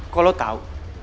kok lo tau